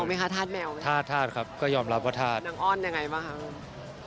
ทาดแมวมั้ยคะทาดแมวมั้ยคะทาดครับก็ยอมรับว่าทาดน้องอ้อนยังไงบ้างครับ